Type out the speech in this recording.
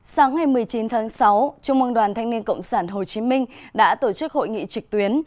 sáng ngày một mươi chín tháng sáu trung mương đoàn thanh niên cộng sản hồ chí minh đã tổ chức hội nghị trực tuyến